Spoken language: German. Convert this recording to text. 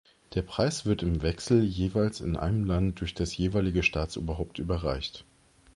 Der Preis wird im Wechsel jeweils in einem Land durch das jeweilige Staatsoberhaupt überreicht.